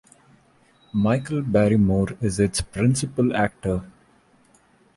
Michael Barrymore is its principal actor.